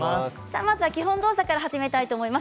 まずは基本動作から始めたいと思います。